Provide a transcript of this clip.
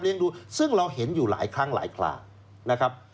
ดูซึ่งเราเห็นอยู่หลายครั้งหลายครานะครับ